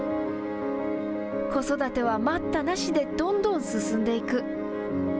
子育ては待ったなしでどんどん進んでいく。